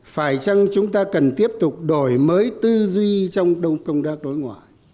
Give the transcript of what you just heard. phải chăng chúng ta cần tiếp tục đổi mới tư duy trong công tác đối ngoại